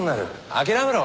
諦めろ。